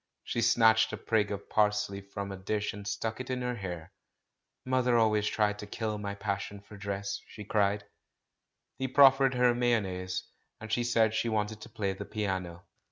She snatched a sprig of pars ley from a dish and stuck it in her hair. "Mother always tried to kill my passion for dress I" she cried. He proffered her mayonnaise, and she said she wanted to play the piano.